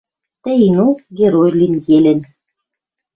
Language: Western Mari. Тӹ инок Герой лин Елен